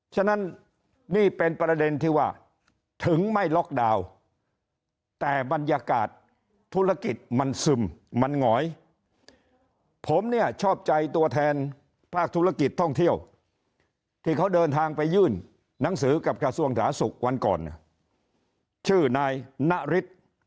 ฉะนั้นนี่เป็นประเด็นที่ว่าถึงไม่ล็อกดาวน์แต่บรรยากาศธุรกิจมันซึมมันหงอยผมเนี่ยชอบใจตัวแทนภาคธุรกิจท่องเที่ยวที่เขาเดินทางไปยื่นหนังสือกับกระทรวงสาธารณสุขวันก่อนชื่อนายนฤทธิ์